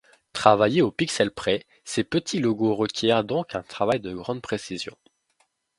Travaillés au pixel près, ces petits logos requièrent donc un travail de grande précision.